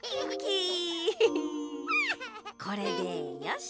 これでよし！